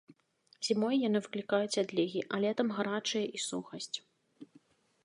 Зімой яны выклікаюць адлігі, а летам гарачыя і сухасць.